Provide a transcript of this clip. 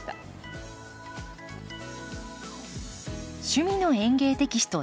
「趣味の園芸」テキスト１０